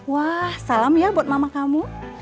wah salam ya buat mama kamu